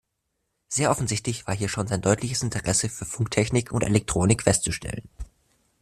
Sehr offensichtlich war hier schon sein deutliches Interesse für Funktechnik und Elektronik festzustellen.